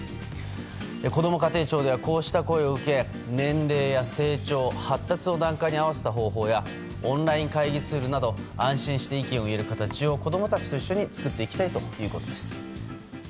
こども家庭庁ではこうした声を受け年齢や成長、発達の段階に合わせた方法やオンライン会議ツールなど安心して意見を言えるツールを子供たちと一緒に作っていきたいということです。